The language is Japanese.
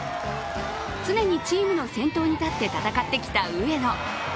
常にチームの先頭に立って戦ってきた上野。